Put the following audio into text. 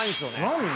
何？